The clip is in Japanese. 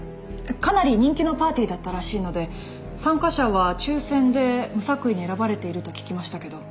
かなり人気のパーティーだったらしいので参加者は抽選で無作為に選ばれていると聞きましたけど。